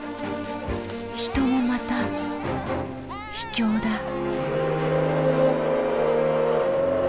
人もまた秘境だ。